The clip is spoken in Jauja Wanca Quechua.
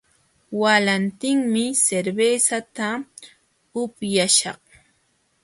Walantinmi cervezata upyaśhaq